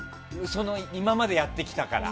今までやってきたから。